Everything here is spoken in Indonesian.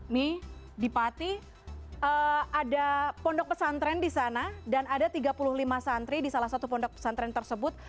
mie di pati ada pondok pesantren di sana dan ada tiga puluh lima santri di salah satu pondok pesantren tersebut